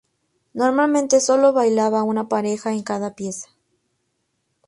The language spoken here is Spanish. Normalmente sólo bailaba una pareja en cada pieza.